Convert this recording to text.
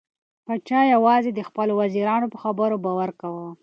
پاچا یوازې د خپلو وزیرانو په خبرو باور کاوه.